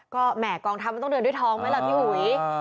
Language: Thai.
ก็แหม่กองทัพมันต้องเดินด้วยทองไหมล่ะพี่อุ๋ย